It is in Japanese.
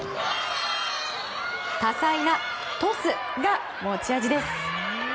多彩なトスが持ち味です。